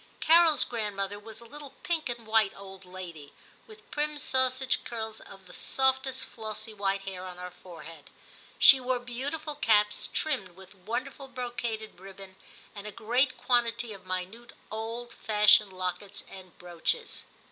Carol's grand mother was a little pink and white old lady, with prim sausage curls of the softest flossy white hair on her forehead. She wore beau tiful caps, trimmed with wonderful brocaded ribbon, and a great quantity of minute old fashioned lockets and brooches.